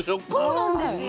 そうなんですよ。